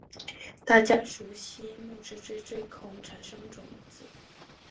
大家熟悉木质锥锥孔产生种子。